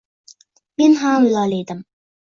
Men ham lol edim.